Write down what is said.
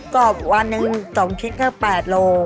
กรอบวันนึง๒ชิ้นก็๘โล